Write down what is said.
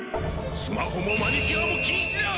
スマホもマニキュアも禁止だ！